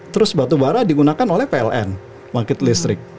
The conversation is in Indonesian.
terus batubara digunakan oleh pln pemakit listrik